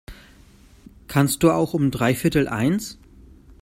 Kannst du auch um dreiviertel eins?